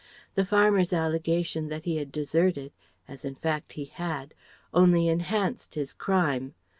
The farmer's allegation that he had deserted (as in fact he had) only enhanced his crime.